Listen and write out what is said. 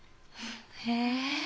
へえ。